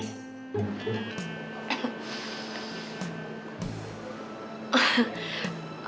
karena bagaimana kalau adriana adalah istrinya papi